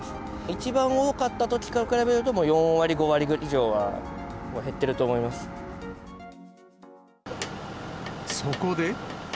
一番多かったときから比べるともう４割、５割以上は減ってると思そこで。